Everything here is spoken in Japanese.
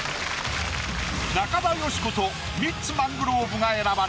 中田喜子とミッツ・マングローブが選ばれ